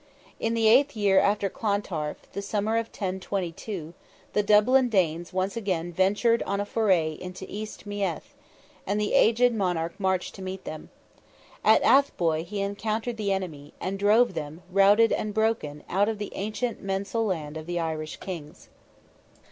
In the eighth year after Clontarf—the summer of 1022—the Dublin Danes once again ventured on a foray into East Meath, and the aged monarch marched to meet them. At Athboy he encountered the enemy, and drove them, routed and broken, out of the ancient mensal land of the Irish kings.